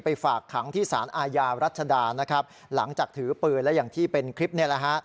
ฝากขังที่สารอาญารัชดานะครับหลังจากถือปืนและอย่างที่เป็นคลิปเนี่ยแหละฮะ